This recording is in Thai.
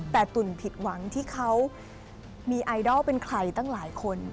แต่ตุ๋นผิดหวังที่เขามีไอดอลเป็นใครตั้งหลายคน